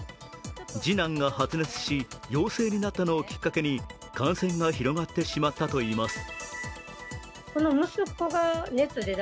次男が発熱し、陽性になったのをきっかけに感染が広がってしまったといいます。